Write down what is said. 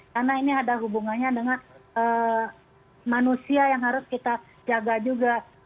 karena ini ada hubungannya dengan manusia yang harus kita jaga juga